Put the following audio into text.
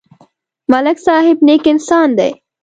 ملک صاحب نېک انسان دی.